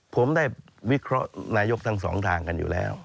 ผมได้วิเคราะห์นายกทั้งสองทางกันอยู่แล้ว